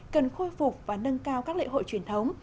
cần khôi phục và nâng cao các lễ hội truyền thống